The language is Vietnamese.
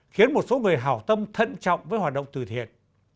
khiến một số người hảo tâm thận trọng với hoạt động từ thiện